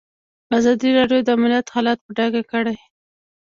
ازادي راډیو د امنیت حالت په ډاګه کړی.